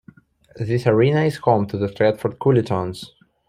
This arena is home to the Stratford Cullitons.